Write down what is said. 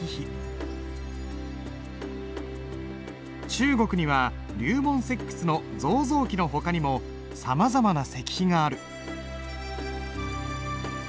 中国には龍門石窟の造像記のほかにもさまざまな石碑がある。